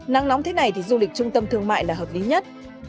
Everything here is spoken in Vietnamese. nắng nóng thế này thì du lịch trung tâm thương mại là hợp lý nhất